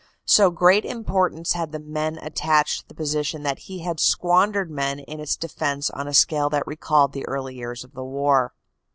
So great importance had the enemy attached to the position that he had squandered men in its defense on a scale that recalled the early years of the war.